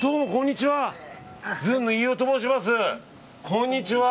こんにちは。